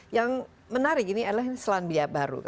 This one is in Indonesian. yang menarik ini adalah selandia baru